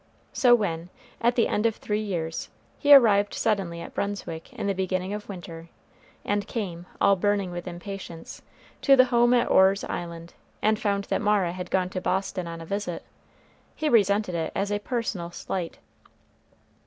So when, at the end of three years, he arrived suddenly at Brunswick in the beginning of winter, and came, all burning with impatience, to the home at Orr's Island, and found that Mara had gone to Boston on a visit, he resented it as a personal slight.